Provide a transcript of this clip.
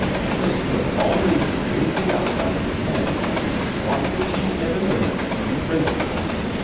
Just put all notions of anything else out of your head. Watch your chief men and women, and be friends with them.